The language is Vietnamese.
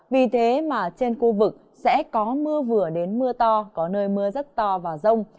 vì thế mà trên khu vực sẽ có mưa vừa đến mưa to có nơi mưa rất to và rông